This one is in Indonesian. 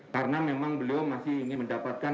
karena memang beliau masih ingin mendapatkan